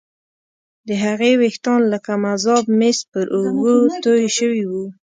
د هغې ويښتان لکه مذاب مس پر اوږو توې شوي وو